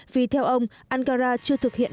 vì theo ông ankara chưa thực hiện